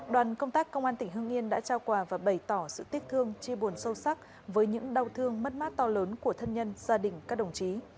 đoàn công tác công an tỉnh hương yên đã trao quà và bày tỏ sự tiếc thương chi buồn sâu sắc với những đau thương mất mát to lớn của thân nhân gia đình các đồng chí